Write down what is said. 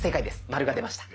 マルが出ました。